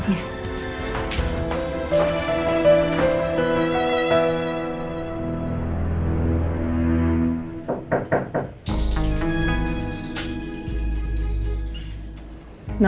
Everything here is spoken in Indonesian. terima kasih bu chandra